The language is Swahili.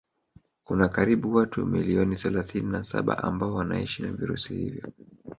Kuna karibu watu milioni thalathini na saba ambao wanaishi na virusi hivyo